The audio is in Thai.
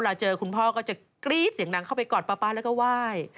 เจอคุณพ่อก็จะกรี๊ดเสียงดังเข้าไปกอดป๊าแล้วก็ไหว้